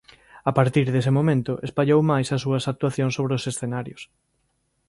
A partir dese momento espallou máis as súas actuacións sobre os escenarios.